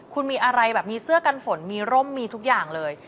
คุณมีอะไรแบบมีเสื้อกันฝนมีร่มมีทุกอย่างเลย